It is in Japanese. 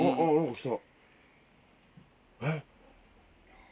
えっ？